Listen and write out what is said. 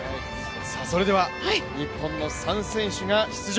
それでは日本の３選手が出場。